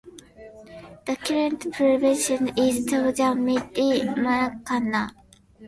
The current president is Timothy J. McKenna.